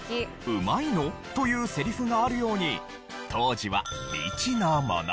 「うまいの？」というセリフがあるように当時は未知のもの。